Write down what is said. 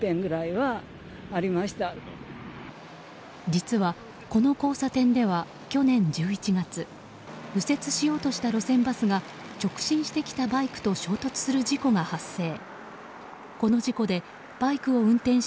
実はこの交差点では去年１１月右折しようとした路線バスが直進してきたバイクと衝突する事故が発生。